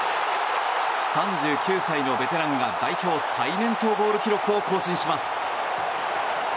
３９歳のベテランが代表最年長ゴール記録を更新します。